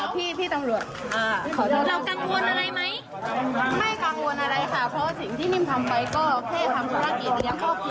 ปลอดภัย